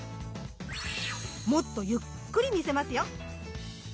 もっとゆっくり見せますよ！